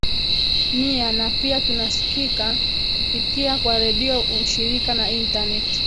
nia na pia tunaskika kupitia kwa redio ushirika na internet